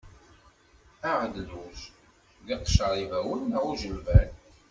Aɣedluj d iqcer ibawen neɣ ujilban.